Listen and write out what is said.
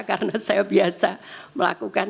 karena saya biasa melakukan